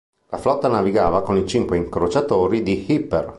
La flotta navigava con i cinque incrociatori di Hipper.